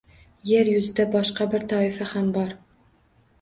Yer yuzida boshqa bir toifa ham bor.